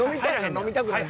飲みたくないの？